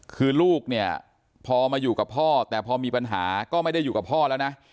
คือลูกเนี่ยพอมาอยู่กับพ่อแต่พอมีปัญหาก็ไม่ได้อยู่กับพ่อแล้วนะ